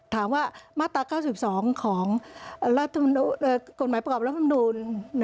ถามว่ามาตรา๙๒ของกฎหมายประกอบรัฐมนูล